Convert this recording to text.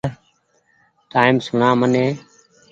ٽئيم سوڻآ مني ۔